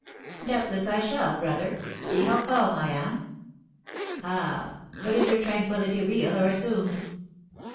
"Doubtless I shall, brother. See how calm I am!" "Ah, but is your tranquillity real or assumed?"